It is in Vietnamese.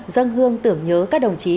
dâng hương tưởng nhớ các đồng chí